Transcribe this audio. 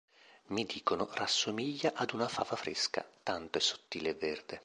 Mi dicono, rassomiglia ad una fava fresca, tanto è sottile e verde.